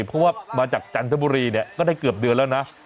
เพราะว่ามาจากจันทบุรีเนี่ยก็ได้เกือบเดือนแล้วนะ